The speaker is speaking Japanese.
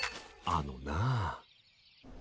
あのなあ。